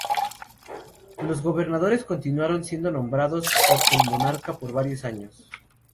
Los gobernadores continuaron siendo nombrados por el monarca por varios años.